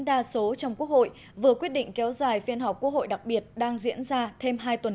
đa số trong quốc hội vừa quyết định kéo dài phiên họp quốc hội đặc biệt đang diễn ra thêm hai tuần